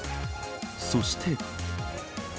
そして。